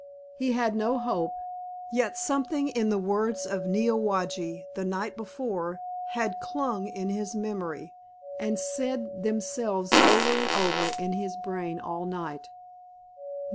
He had no hope, yet something in the words of Neowage the night before had clung in his memory and said themselves over and over in his brain all night.